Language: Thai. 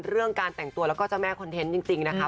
เรื่องการแต่งตัวแล้วก็เจ้าแม่คอนเทนต์จริงนะคะ